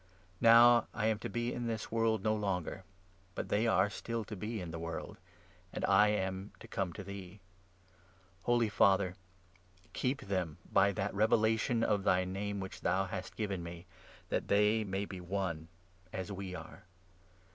Now I am n to be in this world no longer, but they are still to be in the world, and I am to come to thee. Holy Father, keep them by that revelation of thy Name which thou hast given me, that they may be one, as we are.